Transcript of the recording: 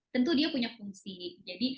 tentu dia punya fungsi jadi